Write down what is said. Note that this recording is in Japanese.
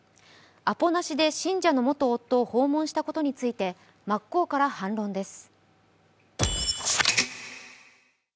アポなしで信者の元夫を訪問したことについて真っ向から反論です。